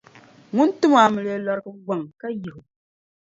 ŋun timi o amiliya lɔrigibu gbaŋ ka yihi o.